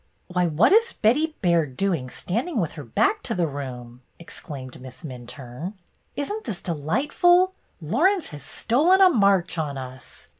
"Why, what is Betty Baird doing standing with her back to the room!" exclaimed Miss Minturne. " Is n't this delightful ! Laurence has stolen a march on us.